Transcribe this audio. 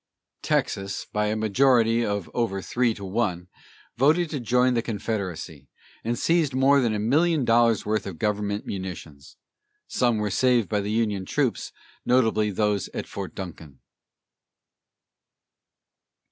Texas, by a majority of over three to one, voted to join the Confederacy, and seized more than a million dollars' worth of government munitions. Some were saved by the Union troops, notably those at Fort Duncan.